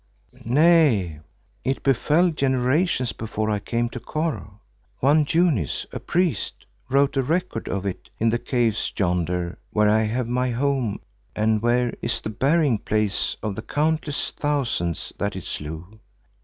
"Nay, it befell generations before I came to Kôr. One Junis, a priest, wrote a record of it in the caves yonder where I have my home and where is the burying place of the countless thousands that it slew.